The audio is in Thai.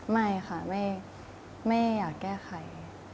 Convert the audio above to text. ไม่ค่ะไม่อยากแก้ไข